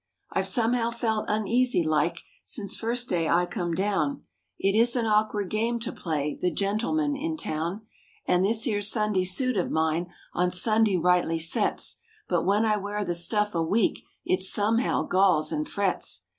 I've somehow felt uneasy like, since first day I come down; It is an awkward game to play the gentleman in town; And this 'ere Sunday suit of mine on Sunday rightly sets; But when I wear the stuff a week, it somehow galls and frets.